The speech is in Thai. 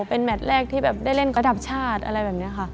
เป็นแมทแรกที่แบบได้เล่นระดับชาติอะไรแบบนี้ค่ะ